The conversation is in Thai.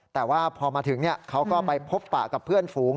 แต่ว่าพอมาถึงเขาก็ไปพบปะกับเพื่อนฝูง